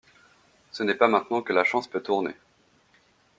Ce n'est pas maintenant que la chance peut tourner.